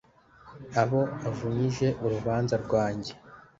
abo avunyije urubanza rwange,